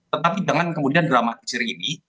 tetapi jangan kemudian dramatisir ini